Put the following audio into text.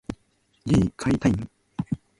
家に帰りたい。